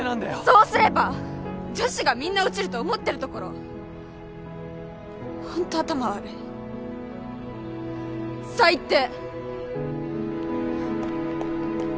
そうすれば女子がみんな落ちると思ってるところホント頭悪い最低！